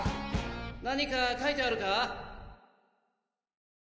何か書いてあるか？